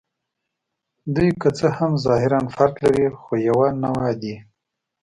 دوی که څه هم ظاهراً فرق لري، خو یوه نوعه دي.